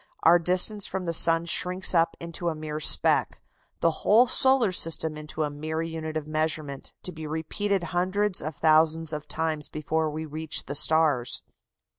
Our distance from the sun shrinks up into a mere speck the whole solar system into a mere unit of measurement, to be repeated hundreds of thousands of times before we reach the stars.